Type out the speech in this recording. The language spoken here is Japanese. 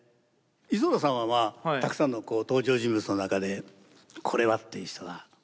磯田さんはたくさんの登場人物の中でこれはっていう人は？